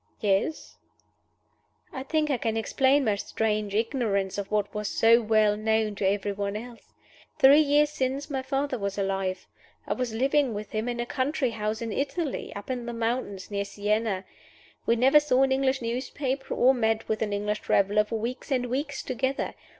"Yes." "I think I can explain my strange ignorance of what was so well known to every one else. Three years since my father was alive. I was living with him in a country house in Italy up in the mountains, near Sienna. We never saw an English newspaper or met with an English traveler for weeks and weeks together.